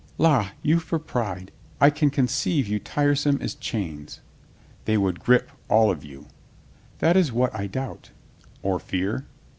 "La, you for pride! In truth, sir, I can conceive you tiresome as chains." "They would grip all of you." "That is what I doubt." "Or fear?"